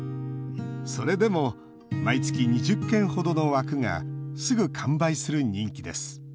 それでも毎月２０件ほどの枠がすぐ完売する人気です。